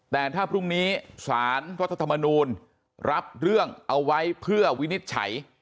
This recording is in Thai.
แต่ถ้าพรุ่งนี้สารรัฐธรรมนูลรับเรื่องเอาไว้เพื่อวินิจฉัย